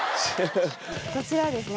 こちらはですね